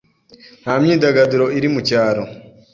Nta myidagaduro iri mu cyaro.